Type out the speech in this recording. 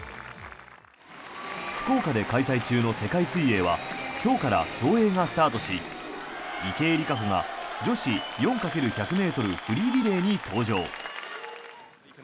福岡で開催中の世界水泳は今日から競泳がスタートし池江璃花子が女子４×１００ｍのフリーリレーに登場。